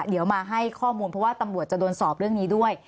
เดี๋ยวมาให้ข้อมูลเพราะว่าตำรวจจะโดนสอบเรื่องนี้ด้วย